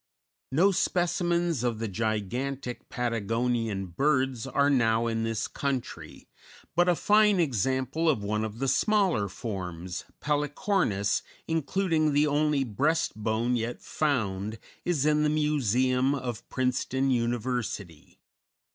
No specimens of the gigantic Patagonian birds are now in this country, but a fine example of one of the smaller forms, Pelycornis, including the only breast bone yet found, is in the Museum of Princeton University.